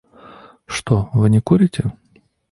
Что, вы не курите?